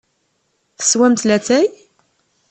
Teswamt latay?